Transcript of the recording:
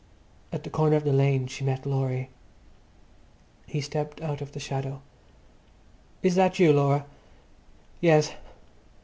At the corner of the lane she met Laurie. He stepped out of the shadow. "Is that you, Laura?" "Yes."